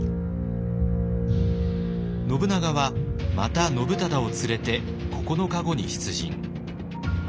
信長はまた信忠を連れて９日後に出陣。